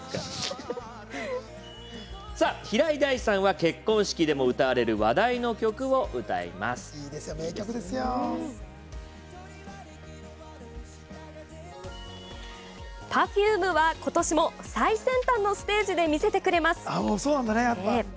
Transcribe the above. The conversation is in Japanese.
平井大さんは結婚式でも歌われる話題の曲を歌いますＰｅｒｆｕｍｅは今年も最先端のステージで見せてくれます。